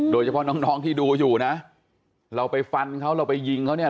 โดยเฉพาะน้องที่ดูอยู่นะเราไปฟันเขาเราไปยิงเขาเนี่ย